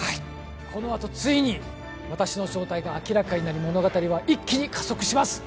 このあとついに私の正体が明らかになり物語は一気に加速します。